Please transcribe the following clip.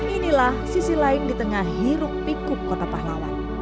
inilah sisi lain di tengah hiruk pikup kota pahlawan